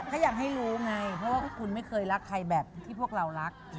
ก็อยากให้รู้ไงเพราะว่าพวกคุณไม่เคยรักใครแบบที่พวกเรารัก